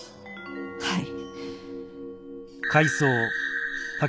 はい。